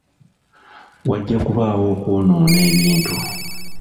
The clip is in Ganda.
Wajja kubaawo okwonoona ebintu.